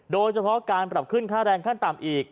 โดยเฉพาะการปรับขึ้นค่าแรงขั้นต่ำอีก